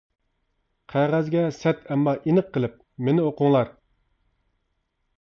قەغەزگە سەت ئەمما ئېنىق قىلىپ : مېنى ئوقۇڭلار!